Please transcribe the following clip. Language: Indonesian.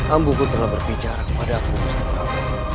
ambuku telah berbicara kepada aku bustik bapak